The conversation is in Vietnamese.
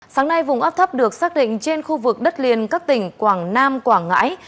sáng nay vùng áp thấp được xác định trên khu vực đất liền các tỉnh quảng nam quảng ngãi